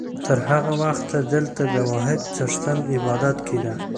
تر هغه وخته دلته د واحد څښتن عبادت کېده.